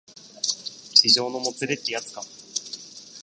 痴情のもつれってやつか